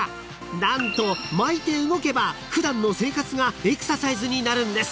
［何と巻いて動けば普段の生活がエクササイズになるんです］